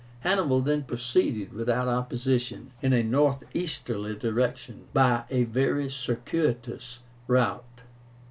Hannibal then proceeded, without opposition, in a northeasterly direction, by a very circuitous route.